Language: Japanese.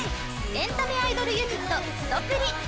エンタメアイドルユニットすとぷり。